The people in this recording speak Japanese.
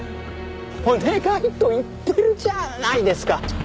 お願いと言ってるじゃないですか。